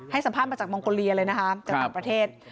สัมภาษณ์มาจากมองโกเลียเลยนะคะจากต่างประเทศ